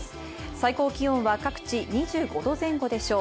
最高気温は各地２５度前後でしょう。